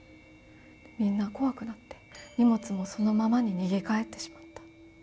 みんな怖くなって荷物もそのまま逃げ帰ってしまった。